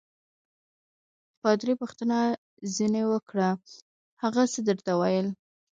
پادري پوښتنه ځینې وکړه: هغه څه درته ویل؟